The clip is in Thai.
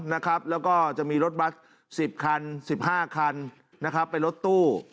แล้วก็จะมีรถบัตร๑๐คัน๑๕คันไปรถตู้